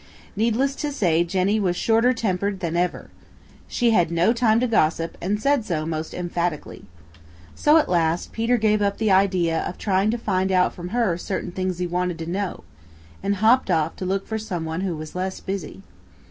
Needless to say Jenny was shorter tempered than ever. She had no time to gossip and said so most emphatically. So at last Peter gave up the idea of trying to find out from her certain things he wanted to know, and hopped off to look for some one who was less busy.